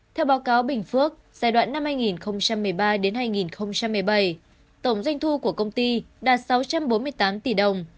theo báo cáo bình phước giai đoạn năm hai nghìn một mươi ba hai nghìn một mươi bảy tổng doanh thu của công ty đạt sáu trăm bốn mươi tám tỷ đồng